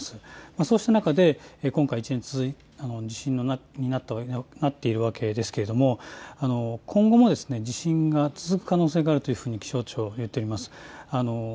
そうした中で今回の地震になっているわけですが、今後も地震が続く可能性があるというふうに気象庁は言っています。